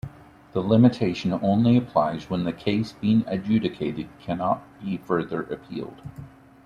The limitation only applies when the case being adjudicated cannot be further appealed.